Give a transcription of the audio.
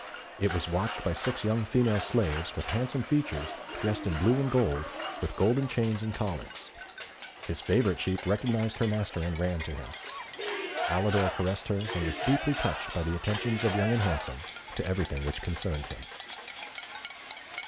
It was watched by six young female slaves, with handsome features, dressed in blue and gold, with golden chains and collars. His favourite sheep recognised her master and ran to him. Alidor caressed her, and was deeply touched by the attentions of Young and Handsome to everything which concerned him.